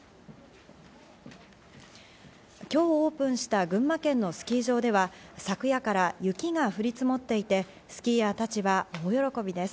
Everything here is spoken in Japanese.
今日オープンした群馬県のスキー場では昨夜から雪が降り積もっていて、スキーヤーたちは大喜びです。